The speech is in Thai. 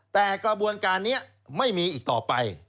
แต่กระบวนการนี้ไม่มีอีกต่อไป